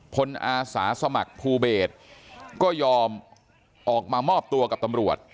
อาสาสมัครภูเบศก็ยอมออกมามอบตัวกับตำรวจ